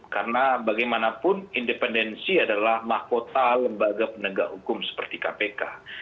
karena bagaimanapun independensi adalah mahkota lembaga penegak hukum seperti kpk